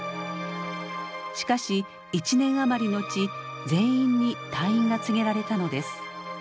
しかし１年余り後全員に退院が告げられたのです。